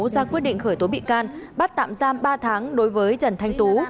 ra quyết định khởi tố bị can bắt tạm giam ba tháng đối với trần thanh tú